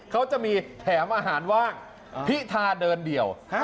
เขาจะมีแถมอาหารว่างพิธาเดินเดี่ยว